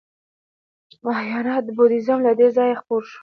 مهایانا بودیزم له دې ځایه خپور شو